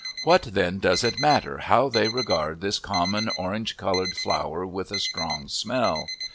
What, then, does it matter how they regard this common orange coloured flower with a strong smell?